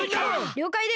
りょうかいです。